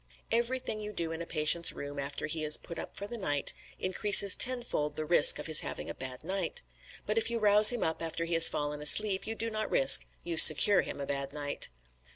"Everything you do in a patient's room after he is 'put up' for the night increases tenfold the risk of his having a bad night; but if you rouse him up after he has fallen asleep, you do not risk you secure him a bad night."